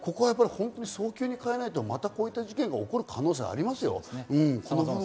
早急に変えないとまたこういう事件が起こる可能性がありますよ。